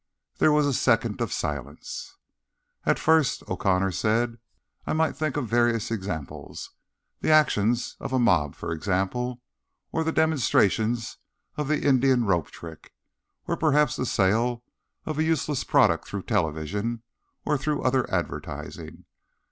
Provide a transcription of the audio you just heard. There was a second of silence. "At first," O'Connor said, "I might think of various examples: the actions of a mob, for example, or the demonstrations of the Indian Rope Trick, or perhaps the sale of a useless product through television or through other advertising."